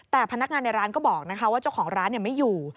แต่พนักงานในร้านก็บอกว่าเจ้าของร้านไม่อยู่